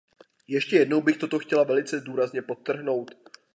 Ještě jednou bych toto chtěla velice důrazně podtrhnout.